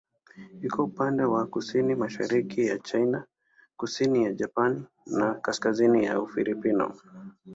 Iko upande wa kusini-mashariki ya China, kusini ya Japani na kaskazini ya Ufilipino.